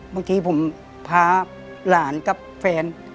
บางทีผมพาหลานกับแฟน